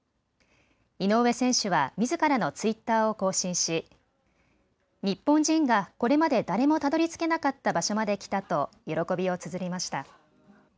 井上選手はみずからのツイッターを更新し、日本人がこれまで誰もたどりつけなかった場所まで来たと喜びをつづりました。